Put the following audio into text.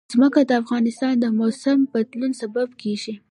ځمکه د افغانستان د موسم د بدلون سبب کېږي.